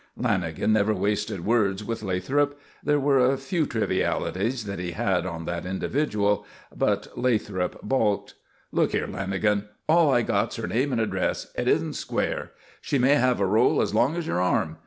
Lanagan never wasted words with Lathrop. There were a few trivialities that he "had" on that individual. But Lathrop balked. "Look here, Lanagan, all I got's her name and address. It isn't square. She may have a roll as long as your arm.